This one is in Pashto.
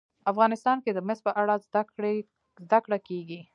افغانستان کې د مس په اړه زده کړه کېږي.